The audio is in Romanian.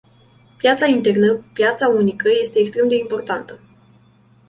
Piața internă, piața unică este extrem de importantă.